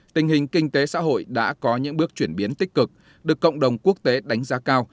tình hình kinh tế xã hội đã có những bước chuyển biến tích cực được cộng đồng quốc tế đánh giá cao